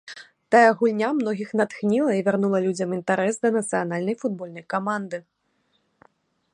Тая гульня многіх натхніла і вярнула людзям інтарэс да нацыянальнай футбольнай каманды.